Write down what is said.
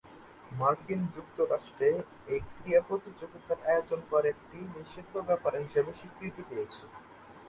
মার্কিন যুক্তরাষ্ট্রে এ ক্রীড়া প্রতিযোগিতার আয়োজন করা একটি নিষিদ্ধ ব্যাপার হিসেবে স্বীকৃতি পেয়েছে।